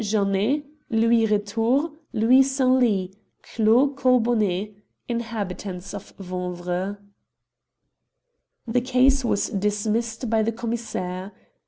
JANNET, Louis Retore, Louis Senlis, Claude Corbonnet, Inhabitants of Vanvres, The case was dismissed by the Commissaire.